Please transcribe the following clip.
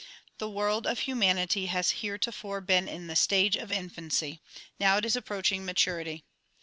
The world of humanity has heretofore been in the stage of infancy ; now it is approaching maturity.